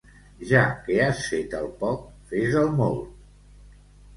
Ja que has fet el poc, fes el molt.